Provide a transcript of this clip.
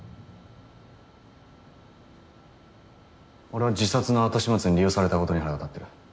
俺は自殺の後始末に利用された事に腹が立ってる。